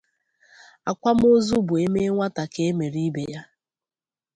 Akwamozu bụ e mee nwata ka e mere ibe ya